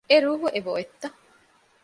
އެ ރޫޙު އެބަ އޮތްތަ؟